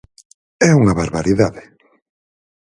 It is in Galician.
É unha barbaridade.